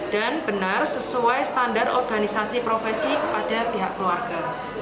dan benar sesuai standar organisasi profesi kepada pihak keluarga